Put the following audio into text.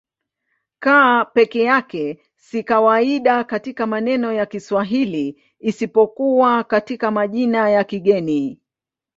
C peke yake si kawaida katika maneno ya Kiswahili isipokuwa katika majina ya kigeni.